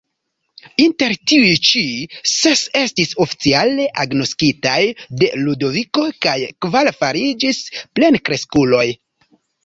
Inter tiuj ĉi, ses estis oficiale agnoskitaj de Ludoviko kaj kvar fariĝis plenkreskuloj.